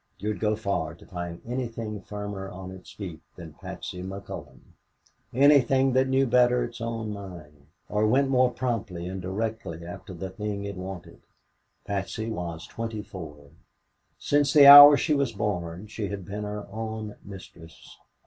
You'd go far to find anything firmer on its feet than Patsy McCullon, anything that knew better its own mind or went more promptly and directly after the thing it wanted. Patsy was twenty four. Since the hour she was born, she had been her own mistress.